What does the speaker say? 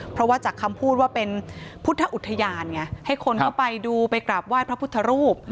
เพราะว่าจากคำพูดว่าเป็นพุทธอุทยานไงให้คนเข้าไปดูไปกราบไหว้พระพุทธรูป